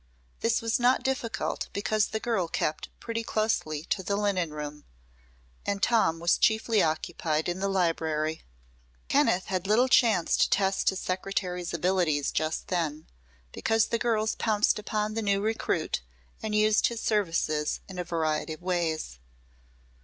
This was not difficult because the girl kept pretty closely to the linen room, and Tom was chiefly occupied in the library. Kenneth had little chance to test his secretary's abilities just then, because the girls pounced upon the new recruit and used his services in a variety of ways.